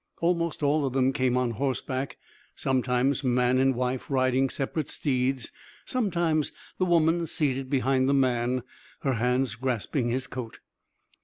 Almost all of them came on horseback, sometimes man and wife riding separate steeds, sometimes the woman seated behind the man, her hands grasping his coat.